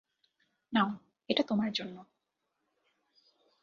নাও, এটা তোমার জন্য।